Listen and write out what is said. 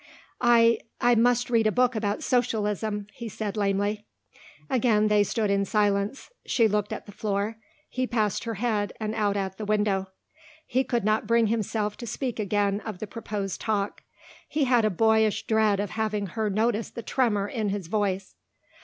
"I I must read a book about socialism," he said lamely. Again they stood in silence, she looking at the floor, he past her head and out at the window. He could not bring himself to speak again of the proposed talk. He had a boyish dread of having her notice the tremor in his voice.